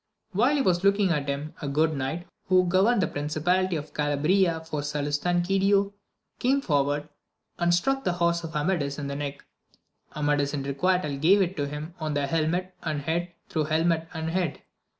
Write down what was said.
While he was looking at him, a good knight, who governed the Principality of Calabria for Salustanquidio, came forward, and struck the horse of Amadis in the neck : Amadis in requital gave it him on the helmet and head through helmet and head.